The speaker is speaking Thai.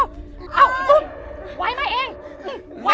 ว้ายมา